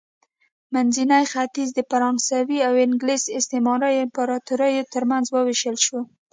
منځنی ختیځ د فرانسوي او انګلیس استعماري امپراتوریو ترمنځ ووېشل شو.